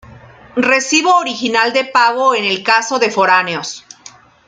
Recibo original de pago en el caso de foráneos.